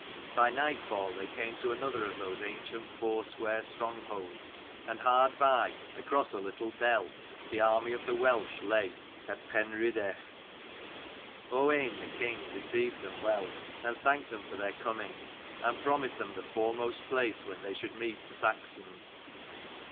By nightfall they came to another of those ancient foursquare strongholds : and hard by, across a little dell, the army of the Welsh lay at Penrhydderch. Owain the king received them well, and thanked them for their coming, and promised them the foremost place when they should meet the Saxons.